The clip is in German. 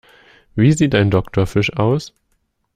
Wie sieht ein Doktorfisch aus?